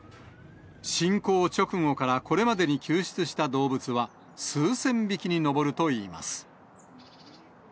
侵攻直後からこれまでに救出した動物は、数千匹に上るといいます。